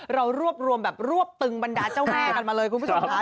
เรารวบรวมแบบรวบตึงบรรดาเจ้าแม่กันมาเลยคุณผู้ชมค่ะ